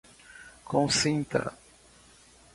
consinta